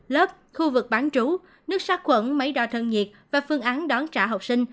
lớp khu vực bán trú nước sát quẩn máy đo thân nhiệt và phương án đón trả học sinh